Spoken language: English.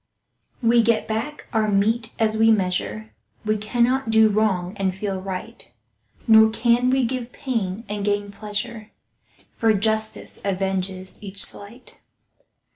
We get back our mete as we measure— We cannot do wrong and feel right, Nor can we give pain and gain pleasure, For justice avenges each slight.